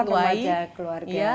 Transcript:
perpukatan majak keluarga ya